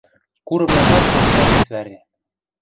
Курымнажат эртӓ вес вӓре.